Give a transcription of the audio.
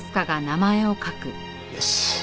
よし。